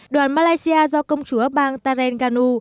đoàn malaysia do công chúa bang tareng kanu